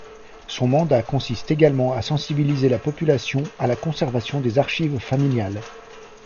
Son mandat consiste également à sensibiliser la population à la conservation des archives familiales.